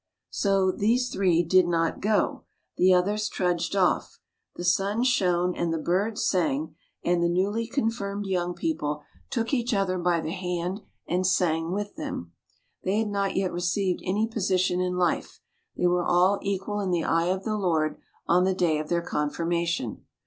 So these three did not go ; the others trudged off. The sun shone and the birds sang, and the newly confirmed young people 346 ANDERSEN'S FAIRY TALES took each other by the hand and sang with them ; they had not yet received any position in life, they were all equal in the eye of the Lord on the day of their Confirmation.